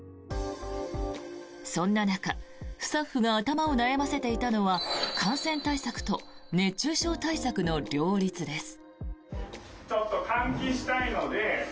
そんな中スタッフが頭を悩ませていたのは感染対策と熱中症対策の両立です。